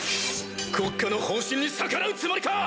国家の方針に逆らうつもりか！